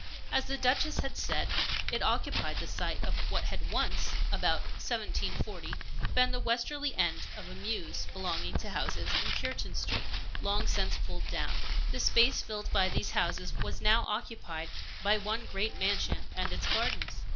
As the Duchess had said, it occupied the site of what had once about 1740 been the westerly end of a mews belonging to houses in Cureton Street, long since pulled down. The space filled by these houses was now occupied by one great mansion and its gardens.